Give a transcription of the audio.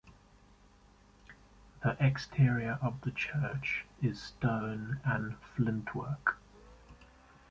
The exterior of the church is stone and flintwork.